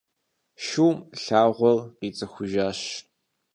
Шум лъагъуэр къицӏыхужащ.